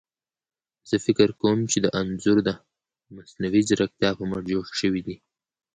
زه فکر کوم چي دا انځور ده مصنوعي ځيرکتيا په مټ جوړ شوي دي.